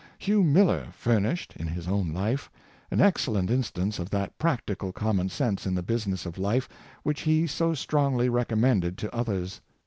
Hugh Miller furnished, in his own life, an ex cellent instance of that practical common sense in the business of life which he so strongly recommended to others.